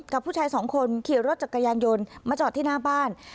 กับผู้ชายสองคนขี่รถจักรยานยนต์มาจอดที่หน้าบ้าน